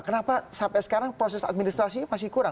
kenapa sampai sekarang proses administrasi masih kurang